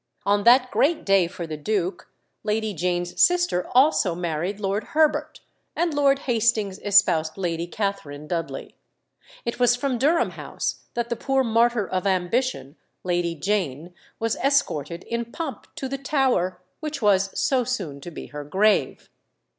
On that great day for the duke, Lady Jane's sister also married Lord Herbert, and Lord Hastings espoused Lady Catherine Dudley. It was from Durham House that the poor martyr of ambition, Lady Jane, was escorted in pomp to the Tower, which was so soon to be her grave.